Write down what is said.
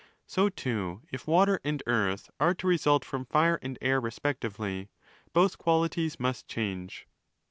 So, too, if Water and Earth are to result from Fire and Air respectively—both qualities must change.